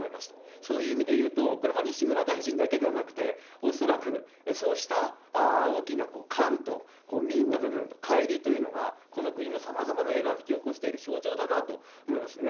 そういう意味で言うと、これは西村大臣だけではなくて、恐らくそうした大きな官と民の部分のかい離というのが、この国のさまざまなエラーを引き起こしている象徴だなと思いますね。